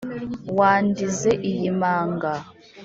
wandize iyi manga,